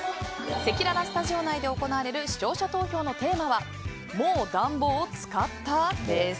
せきららスタジオ内で行われる視聴者投票のテーマはもう暖房を使った？です。